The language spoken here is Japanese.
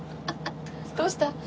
どうした？